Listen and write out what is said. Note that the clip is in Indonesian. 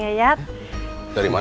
udah campur kan